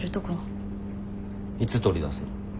いつ取り出すの？